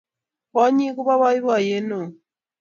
Kokwonik ko bo boiboiye ne oo.